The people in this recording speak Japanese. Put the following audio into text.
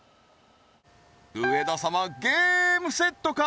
上田様ゲームセットか？